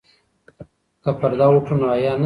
که پرده وکړو نو حیا نه ځي.